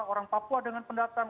orang papua dengan pendatang